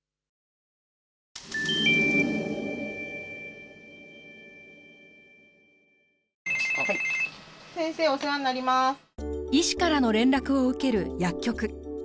医師からの連絡を受ける薬局。